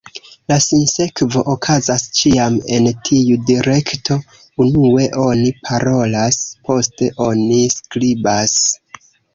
La sinsekvo okazas ĉiam en tiu direkto: unue oni parolas, poste oni skribas.